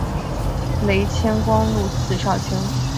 累迁光禄寺少卿。